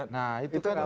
nah itu kan